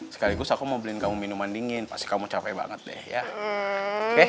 sekaligus aku mau beliin kamu minuman dingin pasti kamu capek banget deh ya oke